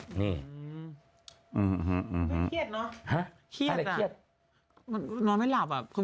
อื้อฮือฮือฮือ